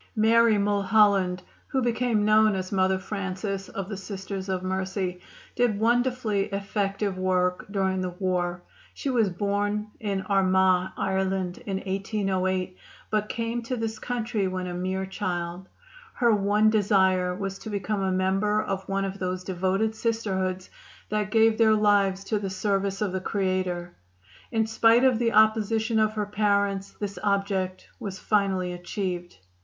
Mary Mulholland, who became known as Mother Francis of the Sisters of Mercy, did wonderfully effective work during the war. She was born in Armagh, Ireland, in 1808, but came to this country when a mere child. Her one desire was to become a member of one of those devoted Sisterhoods that give their lives to the service of the Creator. In spite of the opposition of her parents this object was finally achieved.